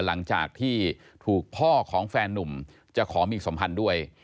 หลังจากที่ถูกพ่อของแฟนนุ่มจะขอมีสัมพันธ์ด้วย